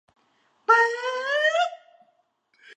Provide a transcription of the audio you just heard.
ป๊าด